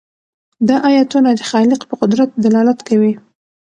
دا آیتونه د خالق په قدرت دلالت کوي.